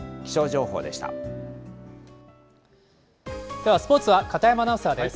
では、スポーツは片山アナウンサーです。